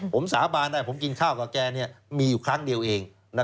ผมสาบานได้ผมกินข้าวกับแกมีอยู่ครั้งเดียวเอง